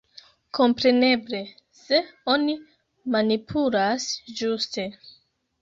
Kompreneble, se oni manipulas ĝuste.